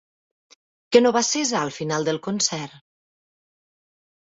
Què no va cessar al final del concert?